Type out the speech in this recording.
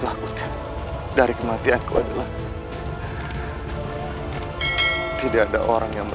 aku akan menemukan kau